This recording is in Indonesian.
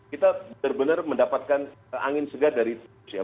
kita benar benar mendapatkan angin segar dari tips ya